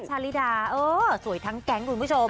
ชาลิดาเออสวยทั้งแก๊งคุณผู้ชม